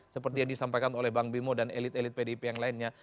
seperti yang disampaikan oleh bang bimo dan elit elit pdip yang lainnya